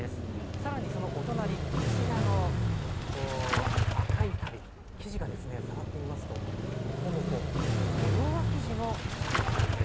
さらに、お隣赤い足袋、生地が触ってみますともこもこ、ベロア生地の足袋なんです。